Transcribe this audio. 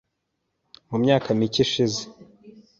Mu myaka mike ishize